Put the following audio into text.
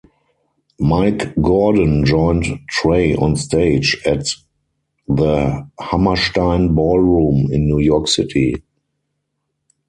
Mike Gordon joined Trey onstage at the Hammerstein Ballroom in New York City.